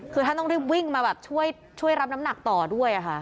คือท่านต้องรีบวิ่งมาแบบช่วยรับน้ำหนักต่อด้วยค่ะ